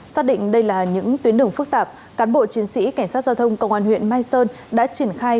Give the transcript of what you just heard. xác định đây là những tuyến đường phức tạp cán bộ chiến sĩ cảnh sát giao thông công an huyện mai sơn đã triển khai